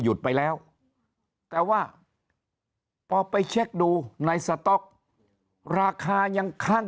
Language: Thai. หยุดไปแล้วแต่ว่าพอไปเช็คดูในสต๊อกราคายังคลั่ง